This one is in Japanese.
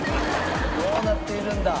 どうなっているんだ？